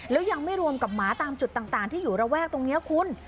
แล้วยังไม่รวมกับหมาตามจุดต่างที่อยู่ระแวกตรงนี้คุณ